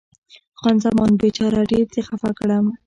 خان زمان: بیچاره، ډېر دې خفه کړم.